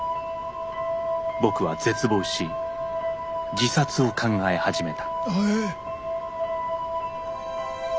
僕は絶望し自殺を考え始めた。